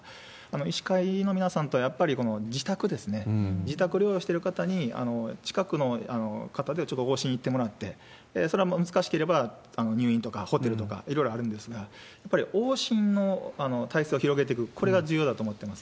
医師会の皆さんとはやっぱり自宅ですね、自宅療養してる方に近くの方でちょっと往診行ってもらって、それが難しければ、入院とかホテルとかいろいろあるんですが、やっぱり往診の体制を広げていく、これが重要だと思ってます。